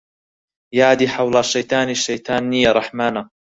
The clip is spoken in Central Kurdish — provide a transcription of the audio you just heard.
یادی حەوڵا شەیتانی شەیتان نیە ڕەحمانە